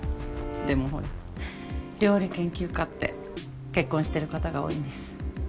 でもほら料理研究家って結婚してる方が多いんです。